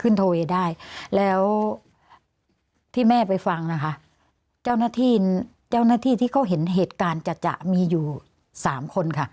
โทเวได้แล้วที่แม่ไปฟังนะคะเจ้าหน้าที่เจ้าหน้าที่ที่เขาเห็นเหตุการณ์จะจะมีอยู่สามคนค่ะ